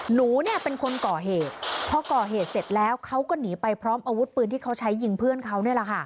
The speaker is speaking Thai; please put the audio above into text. หนูเป็นคนก่อเหตุเพราะก่อเหตุเสร็จแล้วเขาก็หนีไปพร้อมอาวุธปืนที่เขาใช้ยิงเพื่อนเขา